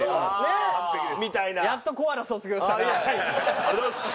ありがとうございます！